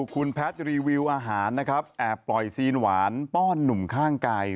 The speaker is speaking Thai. คุณแพทย์รีวิวอาหารนะครับแอบปล่อยซีนหวานป้อนหนุ่มข้างกาย